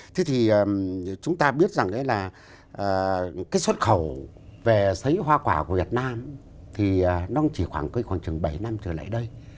thế thì chúng ta biết rằng đấy là cái xuất khẩu về xấy hoa quả của việt nam thì nó chỉ khoảng chừng bảy năm trở lại đây